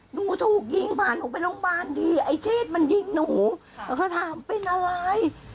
หนูถูกยิงพาหนูไปโรงพยาบาลดีไอ้เชศมันยิงหนูแล้วเขาถามเป็นอะไร